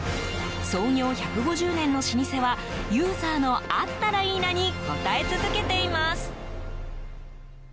創業１５０年の老舗はユーザーのあったらいいなに応え続けています。